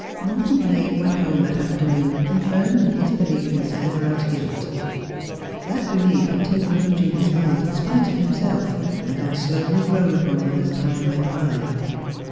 Morton Blake went home that afternoon confirmed in his belief in Sir Everard's guilt. That belief had taken root in his mind in spite of himself, and bad slowly grown upon him as time went by.